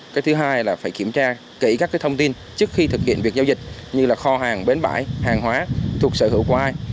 cái thứ hai là phải kiểm tra kỹ các thông tin trước khi thực hiện việc giao dịch như là kho hàng bến bãi hàng hóa thuộc sở hữu của ai